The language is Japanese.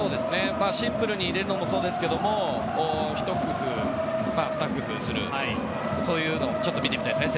シンプルに入れるのもそうですけどひと工夫、ふた工夫するのも見てみたいですね